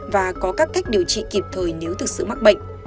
và có các cách điều trị kịp thời nếu thực sự mắc bệnh